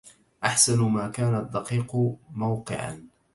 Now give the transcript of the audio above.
أحسن ما كان الدقيق موقعا